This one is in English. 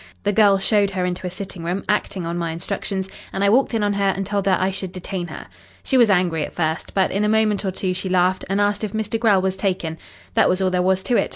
The girl showed her into a sitting room, acting on my instructions, and I walked in on her and told her I should detain her. She was angry at first, but in a moment or two she laughed, and asked if Mr. Grell was taken. That was all there was to it.